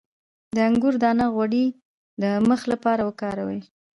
د انګور دانه غوړي د مخ لپاره وکاروئ